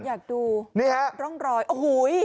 อยากดูร่องรอยโอ้โห